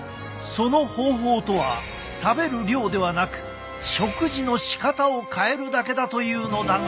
その方法とは食べる量ではなく食事の仕方を変えるだけだというのだが。